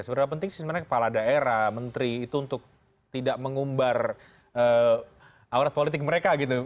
seberapa penting sih sebenarnya kepala daerah menteri itu untuk tidak mengumbar aurat politik mereka gitu